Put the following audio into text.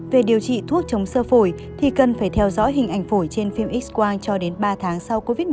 về điều trị thuốc chống sơ phổi thì cần phải theo dõi hình ảnh phổi trên phim x quang cho đến ba tháng sau covid một mươi chín